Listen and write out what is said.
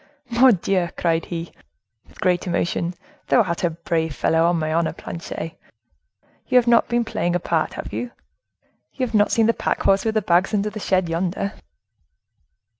"Mordioux!" cried he, with great emotion, "thou art a brave fellow, on my honor, Planchet. You have not been playing a part, have you? You have not seen the pack horse with the bags under the shed yonder?"